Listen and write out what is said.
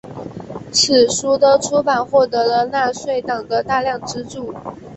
此书的出版获得了纳粹党的大量资助。